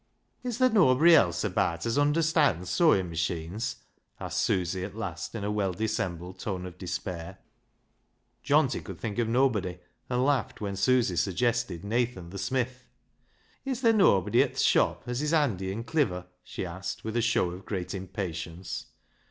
" Is ther' noabry else abaat as understands sewing machines ?" asked Susy at last in a well dissembled tone of despair. Johnty could think 8o BECKSIDE LIGHTS of nobody, and laughed when Susy suggested Nathan the smith. " Is ther' noabry at th' shop [mill] as is handy an' Oliver?" she asked, with a show of great impatience.